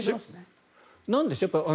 なんででしょう。